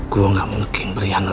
saya tidak mungkin berhianat